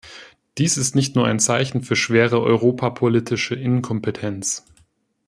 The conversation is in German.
Dies ist nicht nur ein Zeichen für schwere europapolitische Inkompetenz.